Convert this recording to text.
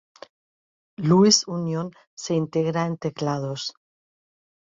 Louis Union, se integra en teclados.